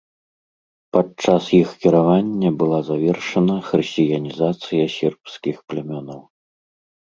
Падчас іх кіравання была завершана хрысціянізацыя сербскіх плямёнаў.